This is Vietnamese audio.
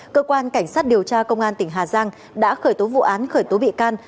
cơ quan cảnh sát điều tra công an tỉnh hà giang đã khởi tố vụ án khởi tố bị can